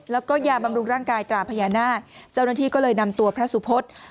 แล้วก็ยาบำรุงร่างกายตราพญานาคเจ้าหน้าที่ก็เลยนำตัวพระสุพศ